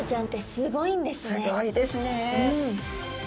すギョいですね。